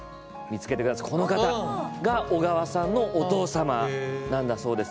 この方が小川さんのお父様なんだそうです。